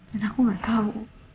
dan aku gak tau